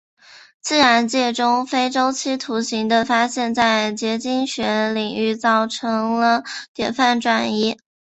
自然界中非周期图形的发现在结晶学领域造成了典范转移。